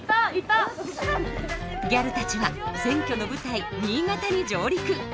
ギャルたちは選挙の舞台新潟に上陸。